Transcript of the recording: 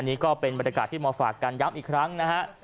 นี่ก็เป็นบรรยากาศที่มาฝากกันย้ำอีกครั้งนะฮะ